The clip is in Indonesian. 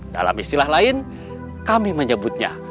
dalam istilah lain kami menyebutnya